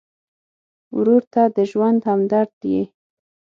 ورور ته د ژوند همدرد یې.